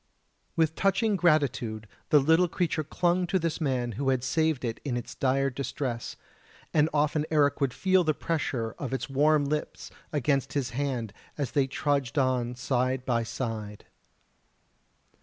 With touching gratitude the little creature clung to this man who had saved it in its dire distress, and often Eric would feel the pressure of its warm lips against his hand as they trudged on side by side.